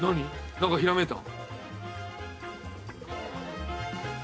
何かひらめいた？